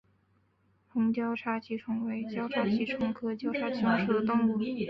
红交叉棘虫为交叉棘虫科交叉棘虫属的动物。